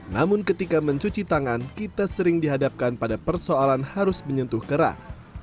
namun ketika mencuci tangan kita sering dihadapkan pada persoalan harus menyentuh kerang